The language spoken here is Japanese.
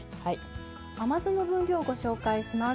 甘酢の分量ご紹介します。